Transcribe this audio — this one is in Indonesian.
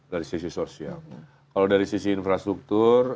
dari sisi sosial kalau dari sisi infrastruktur